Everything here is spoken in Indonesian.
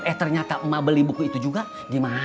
gue ternyata mau beli buku itu juga gimanawait